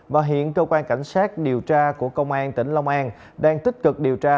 và hiện cơ quan cảnh sát điều tra của công an tỉnh long an đang tích cực điều tra